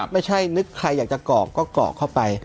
ไม่ใช่นึกใครอยากจะเกาะก็เกาะเข้าไป